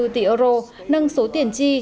một bốn tỷ euro nâng số tiền chi